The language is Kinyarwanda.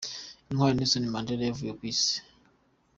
Intwari Nelson Mandela yavuye ku Isi.